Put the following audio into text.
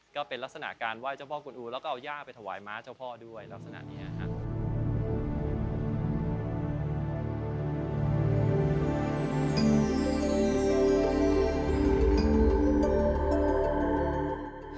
ก็เป็นลักษณะการไหว้เจ้าพ่อคุณอูแล้วก็เอาย่าไปถวายม้าเจ้าพ่อด้วยลักษณะนี้นะครับ